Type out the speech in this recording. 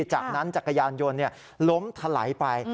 จากนั้นจักรยานยนต์ล้มถลายไป